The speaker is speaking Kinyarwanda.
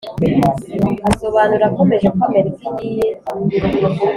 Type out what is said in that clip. asobanura akomeje ko amerika igiye